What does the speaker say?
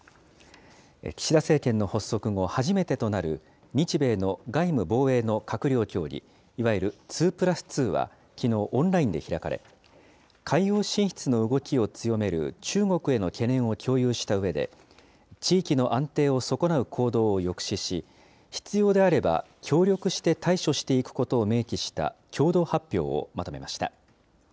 岸田政権の発足後初めてとなる、日米の外務・防衛の閣僚協議、いわゆる２プラス２は、きのう、オンラインで開かれ、海洋進出の動きを強める中国への懸念を共有したうえで、地域の安定を損なう行動を抑止し、必要であれば協力して対処していくことを明記した共同発表をまとめました。